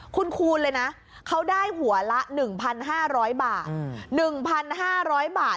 คุณคูณเลยนะเขาได้หัวละหนึ่งพันห้าร้อยบาทหนึ่งพันห้าร้อยบาท